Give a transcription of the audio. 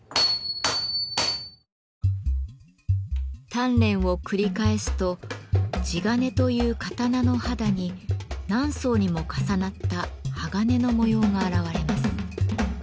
鍛錬を繰り返すと「地鉄」という刀の肌に何層にも重なった鋼の模様が現れます。